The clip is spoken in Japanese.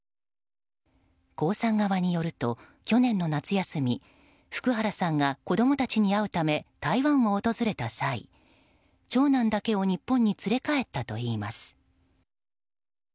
江さん側によると、去年の夏休み福原さんが子供たちに会うため台湾を訪れた際長男だけを日本に連れ帰ったといいます。